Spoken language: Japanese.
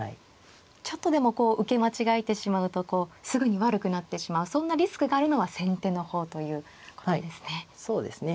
ちょっとでもこう受け間違えてしまうとすぐに悪くなってしまうそんなリスクがあるのは先手の方ということですね。